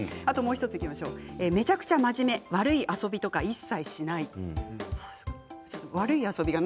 めちゃくちゃ真面目悪い遊びとか一切しない。